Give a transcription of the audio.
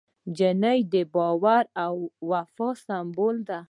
نجلۍ د باور او وفا سمبول ده.